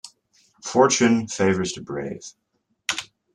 Fortune favours the brave.